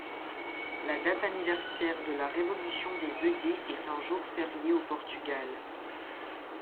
La date anniversaire de la Révolution des œillets est un jour férié au Portugal.